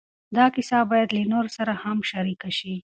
دا کیسه باید له نورو سره هم شریکه شي.